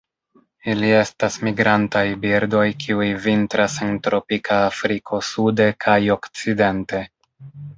Ili estas migrantaj birdoj kiuj vintras en tropika Afriko sude kaj okcidente.